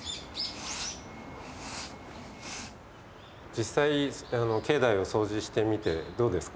実際境内をそうじしてみてどうですか？